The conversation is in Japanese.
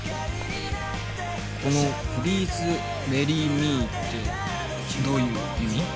このプリーズメリーミーってどういう意味？